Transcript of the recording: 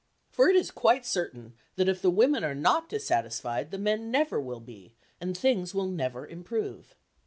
For it is quite certain that if the women are not dissatisfied, the men never will be, and things will never improve.